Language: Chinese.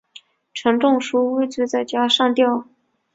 陈仲书畏罪在家中上吊。